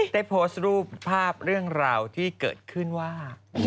ได้โพสต์รูปภาพเรื่องราวที่เกิดขึ้นว่า